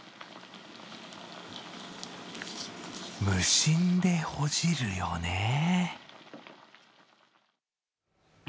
無心でほじるよね。